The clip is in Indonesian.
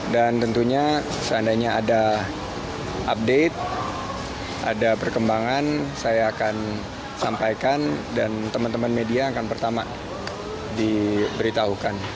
dan tentunya seandainya ada update ada perkembangan saya akan sampaikan dan teman teman media akan pertama diberitahukan